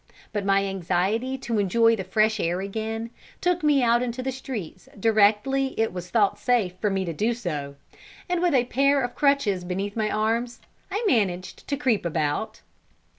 But my anxiety to enjoy the fresh air again, took me out into the streets directly it was thought safe for me to do so, and with a pair of crutches beneath my arms, I managed to creep about.